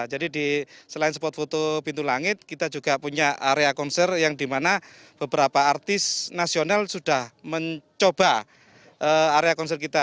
jadi di selain spot photo pintu langit kita juga punya area konser yang di mana beberapa artis nasional sudah mencoba area konser kita